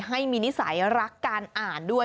ให้มีนิสัยรักการอ่านด้วย